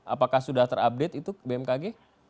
apakah sudah terupdate itu bmkg